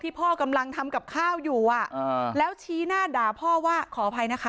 พ่อกำลังทำกับข้าวอยู่แล้วชี้หน้าด่าพ่อว่าขออภัยนะคะ